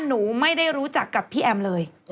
หนูไม่ได้รู้จักกับพี่แอมเลย